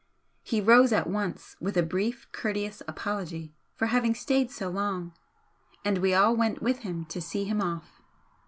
He rose at once, with a briefly courteous apology for having stayed so long, and we all vent with him to see him off.